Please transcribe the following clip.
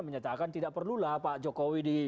menyatakan tidak perlulah pak jokowi di